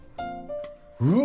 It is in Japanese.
うわ！